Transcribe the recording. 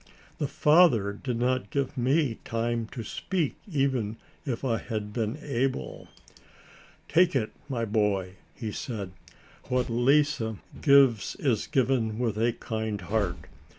The father did not give me time to speak even if I had been able. "Take it, my boy," he said. "What Lise gives is given with a kind heart.